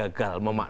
itu kalau berarti